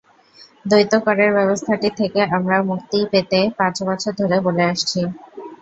দ্বৈত করের ব্যবস্থাটি থেকে আমরা মুক্তি পেতে পাঁচ বছর ধরে বলে আসছি।